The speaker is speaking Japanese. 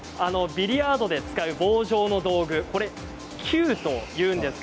ビリヤードで使う棒状の道具キューといいます。